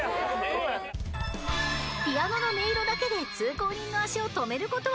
［ピアノの音色だけで通行人の足を止めることはできるのか？］